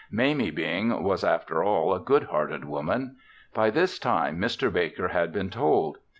Mamie Bing was, after all, a good hearted woman. By this time, Mr. Baker had been told.